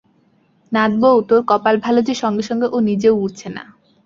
নাতবউ, তোর কপাল ভালো যে সঙ্গে সঙ্গে ও নিজেও উড়ছে না।